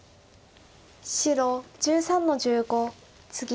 白１３の十五ツギ。